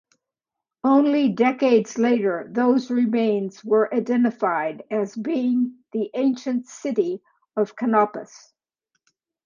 Only decades later those remains were identified as being the ancient city of Canopus.